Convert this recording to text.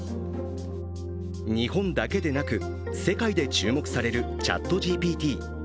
日本だけでなく世界で注目されるＣｈａｔＧＰＴ。